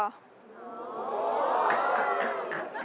รู้